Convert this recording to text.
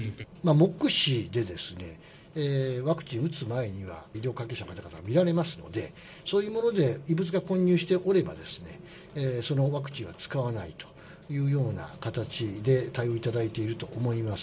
目視で、ワクチンを打つ前には医療関係者の方が見られますので、そういうもので、異物が混入しておればそのワクチンは使わないというような形で対応いただいていると思います。